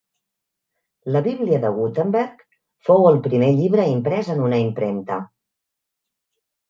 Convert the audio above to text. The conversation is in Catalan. La 'Bíblia de Gutenberg' fou el primer llibre imprès en una impremta